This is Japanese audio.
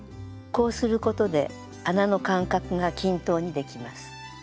こうすることで穴の間隔が均等にできます。